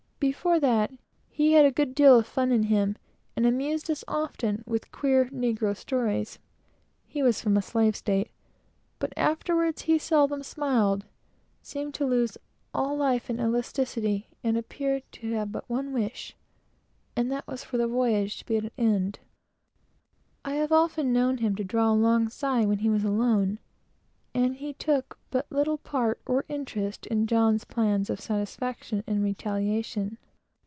Before that, he had a good deal of fun, and mused us often with queer negro stories, (he was from a slave state); but afterwards he seldom smiled; seemed to lose all life and elasticity; and appeared to have but one wish, and that was for the voyage to be at an end. I have often known him to draw a long sigh when he was alone, and he took but little part or interest in John's plans of satisfaction and retaliation.